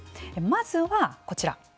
まずは、こちら。